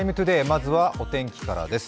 まずはお天気からです。